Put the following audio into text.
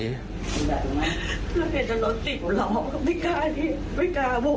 ถ้าเห็นรถติดหลอกก็ไม่กล้าทิ้งไม่กล้าโบก